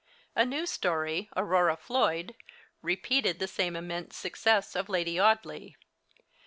A new story, 'Aurora Floyd,' repeated the immense success of 'Lady Audley.'